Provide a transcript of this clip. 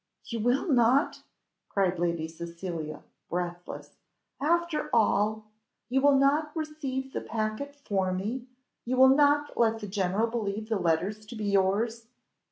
You will not!" cried Lady Cecilia, breathless. "After all! You will not receive the packet for me! you will not let the general believe the letters to be yours!